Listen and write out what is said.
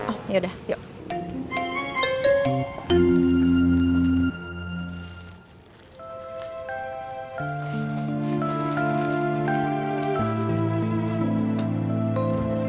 oh yaudah yuk